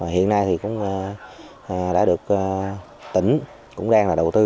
hiện nay thì cũng đã được tỉnh cũng đang là đầu tư